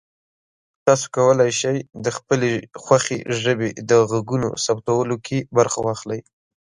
تاسو کولی شئ د خپلې خوښې ژبې د غږونو ثبتولو کې برخه واخلئ.